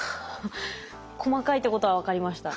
細かいってことは分かりました。